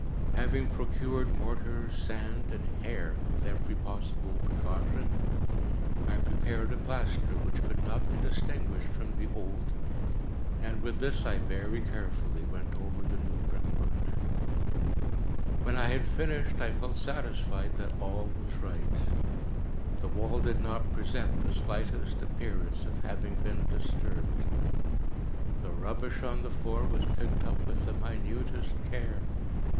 Having procured mortar, sand, and hair, with every possible precaution, I prepared a plaster which could not be distinguished from the old, and with this I very carefully went over the new brickwork. When I had finished, I felt satisfied that all was right. The wall did not present the slightest appearance of having been disturbed. The rubbish on the floor was picked up with the minutest care.